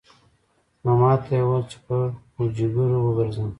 نو ماته يې وويل چې پر پوجيگرو وگرځم.